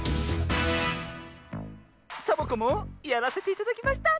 サボ子もやらせていただきました！